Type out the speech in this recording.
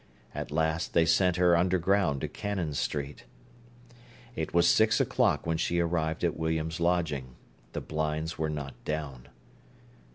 At last they sent her underground to Cannon Street. It was six o'clock when she arrived at William's lodging. The blinds were not down.